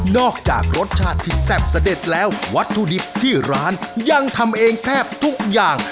จากรสชาติที่แซ่บเสด็จแล้ววัตถุดิบที่ร้านยังทำเองแทบทุกอย่าง